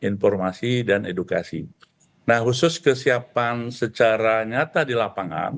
nah khusus kesiapan secara nyata di lapangan